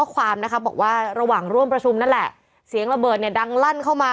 ความนะคะบอกว่าระหว่างร่วมประชุมนั่นแหละเสียงระเบิดเนี่ยดังลั่นเข้ามา